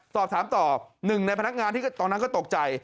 ตอบถามต่อ๑ในพนักงานตอนนั้นก็ตกใจ